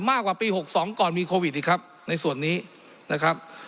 มากกว่าปี๖๒ก่อนมีโควิดอีกครับในส่วนนี้นะครับ